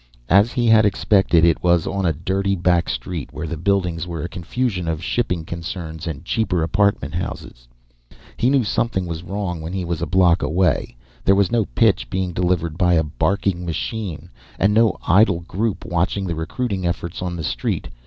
As he had expected, it was on a dirty back street, where the buildings were a confusion of shipping concerns and cheaper apartment houses. He knew something was wrong when he was a block away. There was no pitch being delivered by a barking machine, and no idle group watching the recruiting efforts on the street.